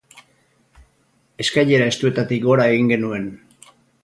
Eskailera estuetatik gora egin genuen.